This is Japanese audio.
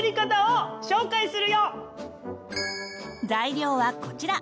材料はこちら。